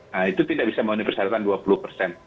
nah itu tidak bisa memenuhi persyaratan dua puluh persen